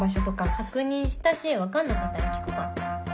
確認したし分かんなかったら聞くから。